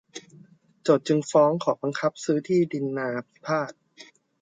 โจทก์จึงฟ้องขอบังคับซื้อที่ดินนาพิพาท